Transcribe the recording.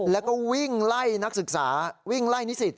แล้วก็วิ่งไล่นักศึกษาวิ่งไล่นิสิต